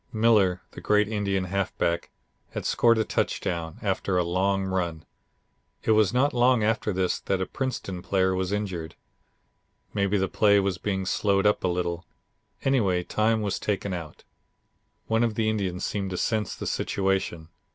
Miller, the great Indian halfback, had scored a touchdown, after a long run. It was not long after this that a Princeton player was injured. Maybe the play was being slowed up a little. Anyway, time was taken out. One of the Indians seemed to sense the situation.